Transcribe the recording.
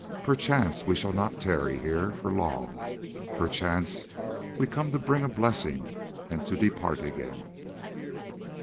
Perchance we shall not tarry here for long, perchance we come to bring a blessing and to depart again.